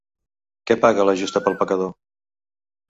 Que paga la justa pel pecador.